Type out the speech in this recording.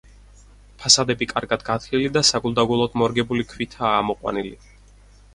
ფასადები კარგად გათლილი და საგულდაგულოდ მორგებული ქვითაა ამოყვანილი.